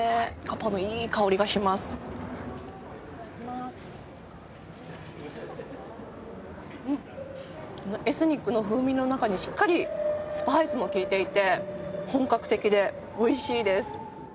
このエスニックの風味の中にしっかりスパイスも利いていて本格的でおいしいです。